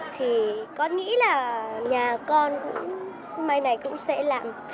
thì con nghĩ là nhà con cũng may này cũng sẽ làm